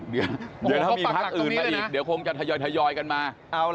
เดี๋ยวถ้ามีพักอื่นมาอีกเดี๋ยวคงจะทยอยกันมา